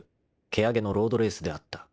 蹴上のロードレースであった］